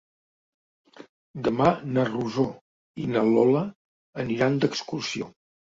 Demà na Rosó i na Lola aniran d'excursió.